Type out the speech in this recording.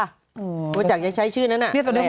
หรือว่าจะใช้ชื่อนั้น